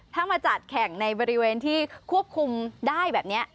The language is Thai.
ถ้ามาจัดแข่งในบริเวณที่ควบคุมได้แบบนี้